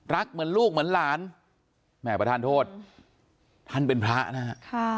เหมือนลูกเหมือนหลานแม่ประธานโทษท่านเป็นพระนะฮะ